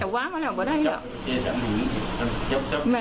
กลุ่มตัวเชียงใหม่